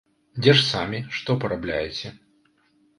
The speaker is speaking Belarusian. Дзе ж самі, што парабляеце?